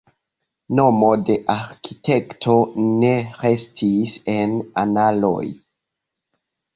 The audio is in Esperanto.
Nomo de arkitekto ne restis en analoj.